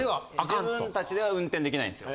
自分達では運転できないんですよ。